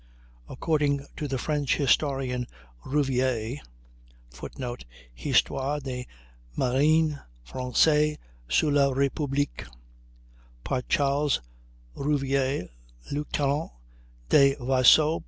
According to the French historian Rouvier [Footnote: "Histoire des Marins Français sous la République," par Charles Rouvier, Lieutenant de Vaisseau.